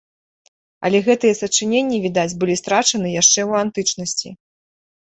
Але гэтыя сачыненні, відаць, былі страчаны яшчэ ў антычнасці.